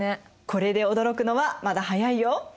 これで驚くのはまだ早いよ。